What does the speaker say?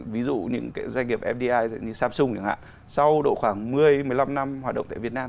ví dụ những doanh nghiệp fdi như samsung chẳng hạn sau độ khoảng một mươi một mươi năm năm hoạt động tại việt nam